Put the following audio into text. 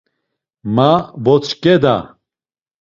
Ma votzǩeda.